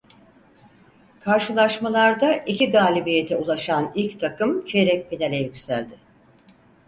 Karşılaşmalarda iki galibiyete ulaşan ilk takım çeyrek finale yükseldi.